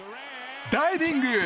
ダイビング！